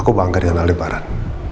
aku bangga dengan aliparad